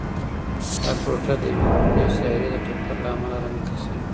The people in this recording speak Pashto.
دا ټوټه د یوې کوچنۍ سیارې د ټکر له امله رامنځته شوې.